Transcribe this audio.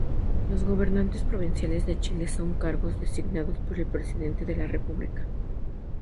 Los gobernadores provinciales de Chile son cargos designados por el presidente de la República.